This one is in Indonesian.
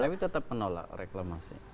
tapi tetap menolak reklamasi